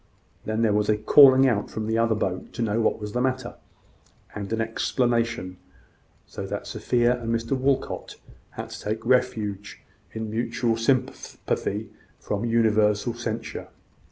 Then there was a calling out from the other boat to know what was the matter, and an explanation; so that Sophia and Mr Walcot had to take refuge in mutual sympathy from universal censure.